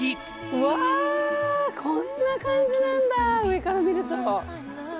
うわこんな感じなんだ上から見ると。